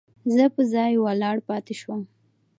زه په ځای ولاړ پاتې شوم.